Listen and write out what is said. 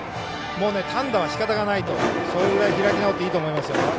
単打はしかたがないとそれぐらい開き直っていいと思います。